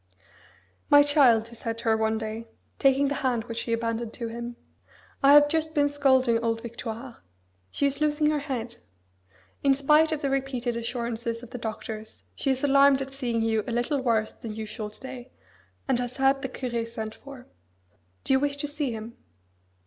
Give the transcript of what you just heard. "My child," he said to her one day, taking the hand which she abandoned to him, "I have just been scolding old Victoire. She is losing her head. In spite of the repeated assurances of the doctors, she is alarmed at seeing you a little worse than usual to day, and has had the Curé sent for. Do you wish to see him?"